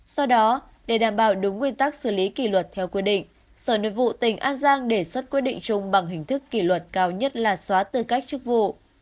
do đó để đảm bảo đúng nguyên tắc xử lý kỷ luật theo quy định sở nội vụ tỉnh an giang đề xuất quyết định chung bằng hình thức kỷ luật cao nhất là xóa tư cách chức vụ